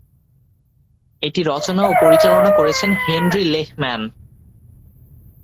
এটি রচনা ও পরিচালনা করেছেন হেনরি লেহম্যান।